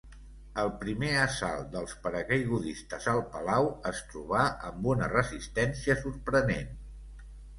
El primer assalt dels paracaigudistes al palau es trobà amb una resistència sorprenent.